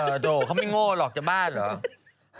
เออโถเขาไม่โง่หรอกจะบ้านเหรอ